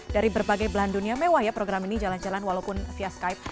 dari berbagai belahan dunia mewah ya program ini jalan jalan walaupun via skype